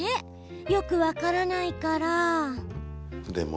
よく分からないから？